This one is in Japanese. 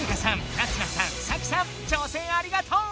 ナツナさんサキさん挑戦ありがとう！